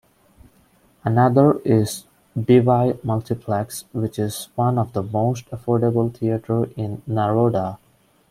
Another is Devi multiplex which is one of the most affordable theater in Naroda.